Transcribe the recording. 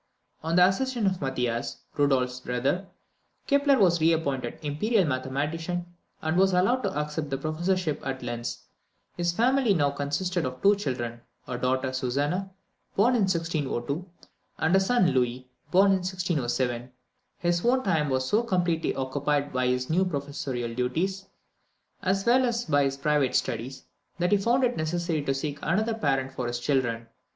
On the accession of Mathias, Rudolph's brother, Kepler was re appointed imperial mathematician, and was allowed to accept the professorship at Linz. His family now consisted of two children a daughter, Susannah, born in 1602, and a son, Louis, born in 1607. His own time was so completely occupied by his new professorial duties, as well as by his private studies, that he found it necessary to seek another parent for his children.